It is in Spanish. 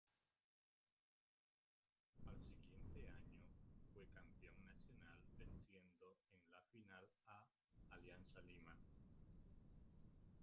Al siguiente año fue campeón nacional venciendo en la final a Alianza Lima.